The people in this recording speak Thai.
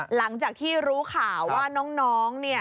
หลังจากที่รู้ข่าวว่าน้องเนี่ย